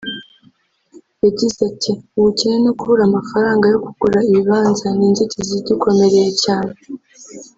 yagize ati “ubukene no kubura amafaranga yo kugura ibibanza ni inzitizi idukomereye cyane